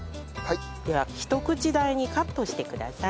ではひと口大にカットしてください。